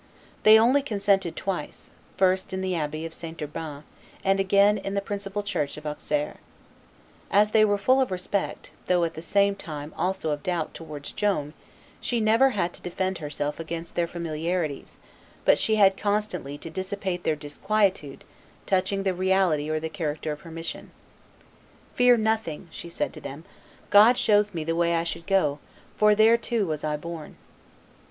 They only consented twice, first in the abbey of St. Urban, and again in the principal church of Auxerre. As they were full of respect, though at the same time also of doubt, towards Joan, she never had to defend herself against their familiarities, but she had constantly to dissipate their disquietude touching the reality or the character of her mission. "Fear nothing," she said to them; "God shows me the way I should go; for thereto was I born."